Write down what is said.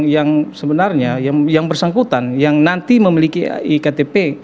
yang sebenarnya yang bersangkutan yang nanti memiliki ektp